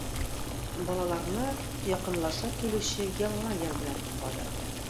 Балаларны якынлашып килүче Яңа ел белән котлады.